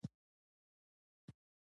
د تیر په څیر نه وي